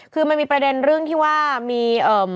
คือมันมีประเด็นเรื่องที่ว่ามีเอ่อ